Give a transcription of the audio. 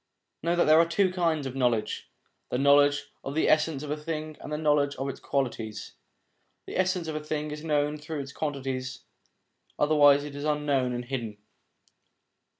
Know that there are two kinds of knowledge: the knowledge of the essence of a thing, and the knowledge' of its qualities. The essence of a thing is known through its qualities, otherwise it is unknown and hidden.